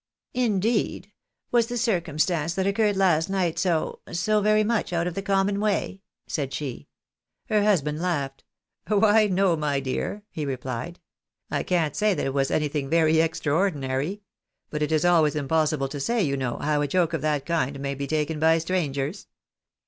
" Indeed ! Was the circumstance that occurred last night so —■ so very much out of the common way ?" said she. Her husband laughed. " Why, no, my dear," he replied, " I can't say that it was any thing very extraordinary ; but it is always impossible to say, you know, how a joke of that kind may be taken by strangers.